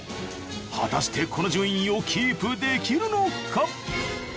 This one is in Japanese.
果たしてこの順位をキープできるのか。